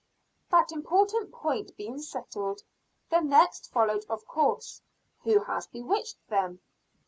That important point being settled, the next followed of course, "Who has bewitched them?"